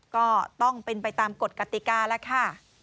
ก็ต้องเป็นไปตามกฎกติกาแล้วค่ะ